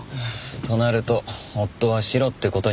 となると夫はシロって事になりますね。